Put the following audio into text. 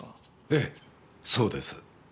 ええそうです。